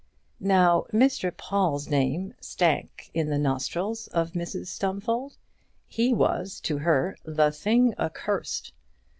Now Mr Paul's name stank in the nostrils of Mrs Stumfold. He was to her the thing accursed.